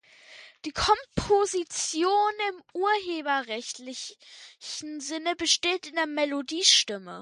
Die Komposition im urheberrechtlichen Sinne besteht in der Melodiestimme.